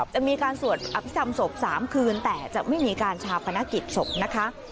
จะมีการสวดอภิษฐรรมศพ๓คืนแต่จะไม่มีการชาปนกิจศพนะคะ